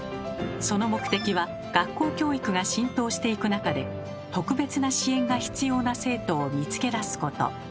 その目的は学校教育が浸透していく中で特別な支援が必要な生徒を見つけ出すこと。